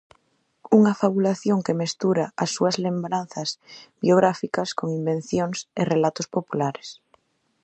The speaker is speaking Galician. Unha fabulación que mestura as súas lembranzas biográficas con invencións e relatos populares.